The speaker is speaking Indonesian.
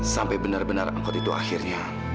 sampai benar benar angkot itu akhirnya